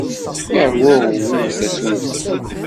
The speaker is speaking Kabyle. Iṛwa uɣbub tasumta.